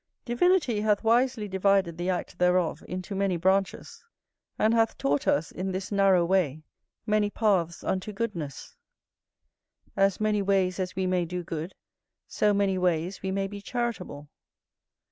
Divinity hath wisely divided the act thereof into many branches, and hath taught us, in this narrow way, many paths unto goodness; as many ways as we may do good, so many ways we may be charitable.